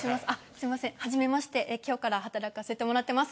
すみませんはじめまして今日から働かせてもらってます。